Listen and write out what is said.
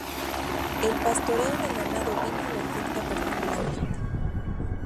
El pastoreo del ganado ovino lo afecta particularmente.